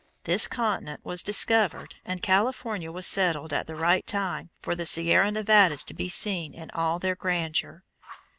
This continent was discovered and California was settled at the right time for the Sierra Nevadas to be seen in all their grandeur.